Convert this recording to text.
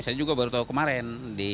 saya juga baru tahu kemarin di koran